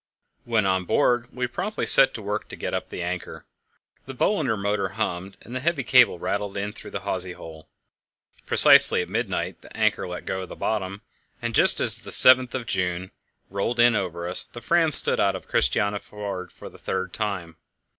When on board, we promptly set to work to get up the anchor. The Bolinder motor hummed, and the heavy cable rattled in through the hawse hole. Precisely at midnight the anchor let go of the bottom, and just as the Seventh of June, rolled in over us, the Fram stood out of Christiania Fjord for the third time.